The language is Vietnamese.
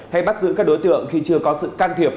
hay bắt giữ các đối tượng khi chưa có sự can thiệp